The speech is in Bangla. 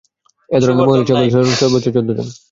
এ ধরনের মহিলার সংখ্যা ছিল সর্বোচ্চ চৌদ্দজন।